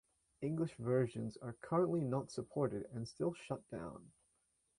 English versions are currently not supported and still shut down.